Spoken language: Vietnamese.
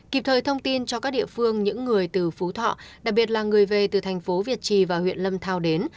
kịp thời thông tin cho các địa phương những người từ phú thọ đặc biệt là người về từ thành phố việt trì và huyện lâm thao đến